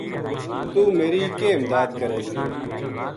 توہ میری کے امداد کرے گی